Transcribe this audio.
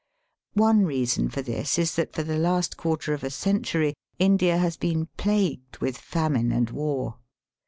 One reason for this is that for the last quarter of a century India has been plagued with famine and war.